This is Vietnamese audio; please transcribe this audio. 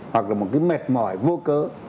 hoặc là một cái mệt mỏi vô cớ